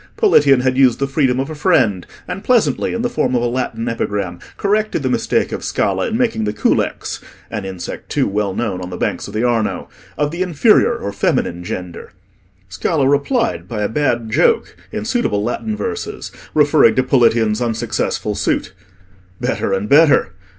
Politian had used the freedom of a friend, and pleasantly, in the form of a Latin epigram, corrected the mistake of Scala in making the culex (an insect too well known on the banks of the Arno) of the inferior or feminine gender. Scala replied by a bad joke, in suitable Latin verses, referring to Politian's unsuccessful suit. Better and better.